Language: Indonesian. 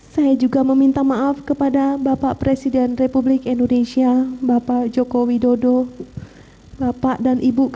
saya juga meminta maaf kepada bapak presiden republik indonesia bapak joko widodo bapak dan ibu